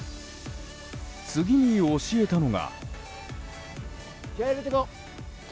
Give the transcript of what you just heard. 次に教えたのが。